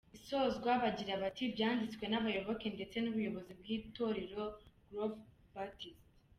Isozwa bagira bati “Byanditswe n’abayoboke ndetse n’ubuyobozi bw’itorero Grove Baptist.